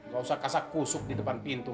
gausah kasak kusuk di depan pintu